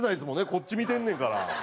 こっち見てんねんから。